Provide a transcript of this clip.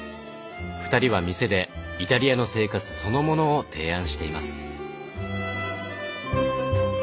２人は店でイタリアの生活そのものを提案しています。